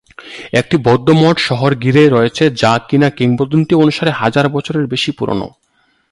একটি বৌদ্ধ মঠ শহর ঘিরে রয়েছে যা কিনা কিংবদন্তি অনুসারে হাজার বছরের বেশি পুরানো।